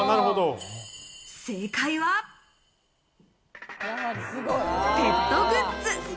正解はペットグッズ。